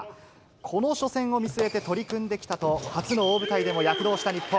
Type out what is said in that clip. この初戦を見据えて取り組んできたと、初の大舞台でも躍動した日本。